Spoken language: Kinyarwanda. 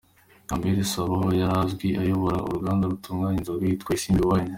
Lambert Sabaho yari asanzwe ayobora uruganda rutunganya inzoga yitwa Isimbi Wines.